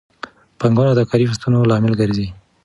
پانګونه د کاري فرصتونو لامل ګرځي.